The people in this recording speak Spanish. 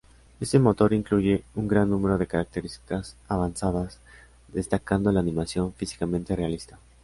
Este motor incluye un gran número de características avanzadas, destacando la animación físicamente realista.